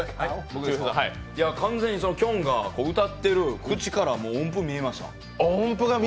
完全にきょんが歌ってる口からもう音符見えました。